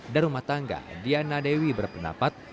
darumatangga diana dewi berpendapat